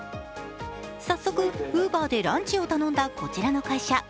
早速Ｕｂｅｒでランチを頼んだこちらの会社。